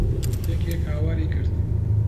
یەکێک هاواری کرد.